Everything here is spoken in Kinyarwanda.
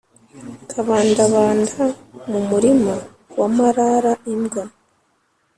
kabandabanda mu murima wa marara-imbwa.